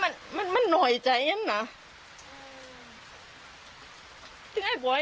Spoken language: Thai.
กล่ออยู่แล้วเกิดเห็นคราวยังไม่ได้สนใจละ